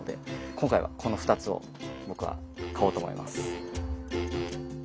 今回はこの２つを僕は買おうと思います。